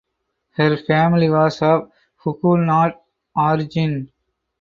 Her family was of Huguenot origin.